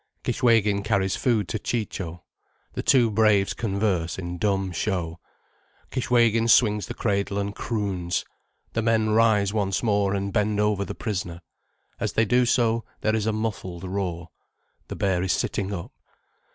Kishwégin carries food to Ciccio. The two braves converse in dumb show, Kishwégin swings the cradle and croons. The men rise once more and bend over the prisoner. As they do so, there is a muffled roar. The bear is sitting up.